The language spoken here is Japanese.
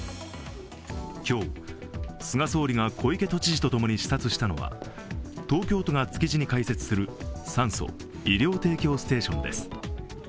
今日、菅総理が小池都知事と共に視察したのは東京都が築地に開設する酸素・医療提供ステーションです。